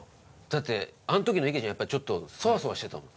だってあの時の池ちゃんやっぱちょっとそわそわしてたもん。